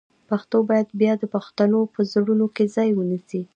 پښتو باید بیا د پښتنو په زړونو کې ځای ونیسي.